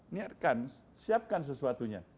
niatkan siapkan sesuatunya